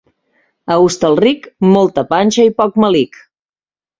A Hostalric, molta panxa i poc melic.